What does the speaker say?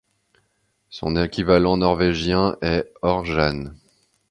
Son équivalent norvégien est Ørjan.